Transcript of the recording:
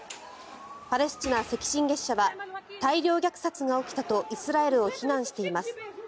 パレスチナ赤新月社は大量虐殺が起きたとイスラエルを非難しています。